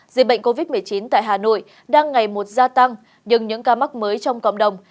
dịch bệnh covid một mươi chín tại hà nội đang ngày một gia tăng nhưng những ca mắc mới trong cộng đồng